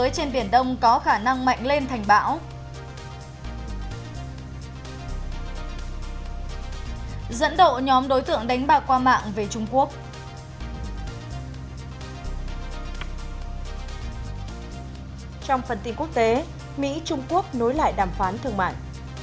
trong phần tin quốc tế mỹ trung quốc nối lại đàm phán thương mại